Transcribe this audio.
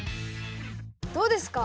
どうですか？